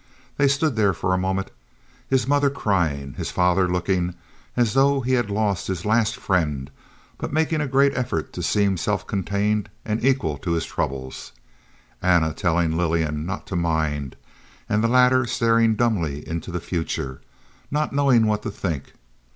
They stood there for a moment, his mother crying, his father looking as though he had lost his last friend but making a great effort to seem self contained and equal to his troubles, Anna telling Lillian not to mind, and the latter staring dumbly into the future, not knowing what to think.